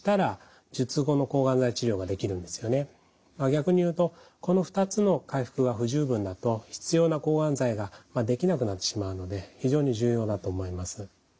逆に言うとこの２つの回復が不十分だと必要な抗がん剤ができなくなってしまうので非常に重要だと思います。